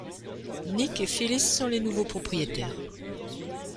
Nick et Phyllis sont les nouveaux propriétaires.